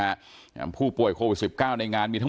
อย่างผู้ป่วยโควิด๑๙ในงานจริง